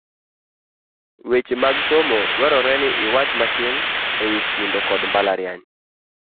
Weche mag Somo , dwarore ni iwach matin e wi skunde kod mbalariany